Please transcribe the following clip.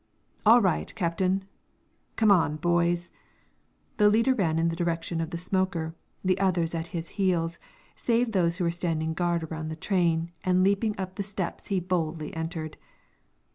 "All right, captain!" "Come on, boys!" The leader ran in the direction of the smoker, the others at his heels, save those who were standing guard around the train, and leaping up the steps he boldly entered.